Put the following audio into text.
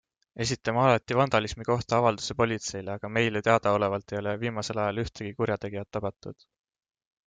Esitame alati vandalismi kohta avalduse politseile, aga meile teadaolevalt ei ole viimasel ajal ühtegi kurjategijat tabatud.